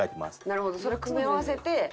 なるほどそれ組み合わせて。